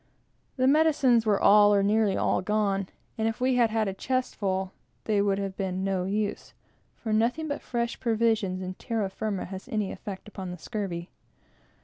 The medicines were all, or nearly all, gone; and if we had had a chest full, they would have been of no use; for nothing but fresh provisions and terra firma has any effect upon the scurvy.